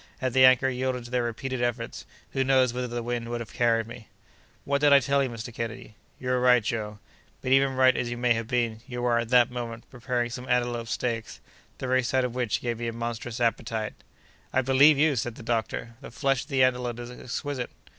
Had the anchor yielded to their repeated efforts, who knows whither the wind would have carried me?" "What did I tell you, Mr. Kennedy?" "You were right, Joe; but, even right as you may have been, you were, at that moment, preparing some antelope steaks, the very sight of which gave me a monstrous appetite." "I believe you!" said the doctor; "the flesh of the antelope is exquisite."